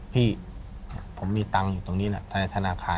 พี่ผมมีตังค์อยู่ตรงนี้นะธนาคาร